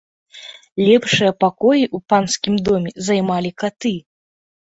Лепшыя пакоі ў панскім доме займалі каты.